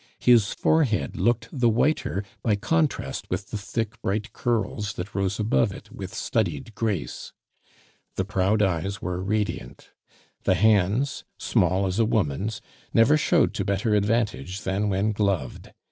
His forehead looked the whiter by contrast with the thick, bright curls that rose above it with studied grace. The proud eyes were radiant. The hands, small as a woman's, never showed to better advantage than when gloved.